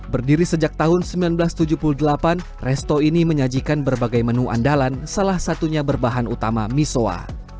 berdiri sejak tahun seribu sembilan ratus tujuh puluh delapan resto ini menyajikan berbagai menu andalan salah satunya berbahan utama misoa